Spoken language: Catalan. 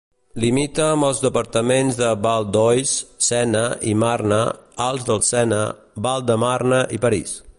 Limita amb els departaments de Val-d'Oise, Sena i Marne, Alts del Sena, Val-de-Marne i París.